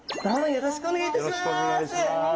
よろしくお願いします。